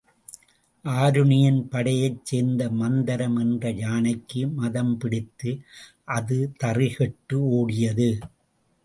ஆருணியின் படையைச் சேர்ந்த மந்தரம் என்ற யானைக்கு மதம் பிடித்து அது தறிகெட்டு ஓடியது.